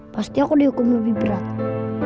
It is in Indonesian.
pasti aku dihukum lebih berat